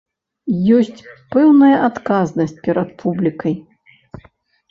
Ёсць пэўная адказнасць перад публікай.